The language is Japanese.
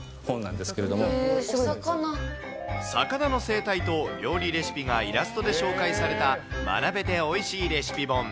魚の生態と料理レシピがイラストで紹介された、学べておいしいレシピ本。